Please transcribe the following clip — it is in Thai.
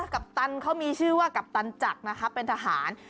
ปัปตันเขามีชื่อว่ากัปตันจักรนะคะเป็นทหาร